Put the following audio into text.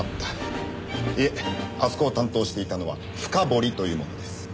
いえあそこを担当していたのは深堀という者です。